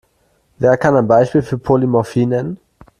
Wer kann ein Beispiel für Polymorphie nennen?